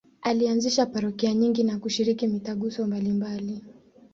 Alianzisha parokia nyingi na kushiriki mitaguso mbalimbali.